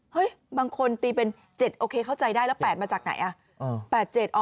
บางคนตีเป็น๗โอเคเข้าใจได้แล้ว๘มาจากไหนอ่ะ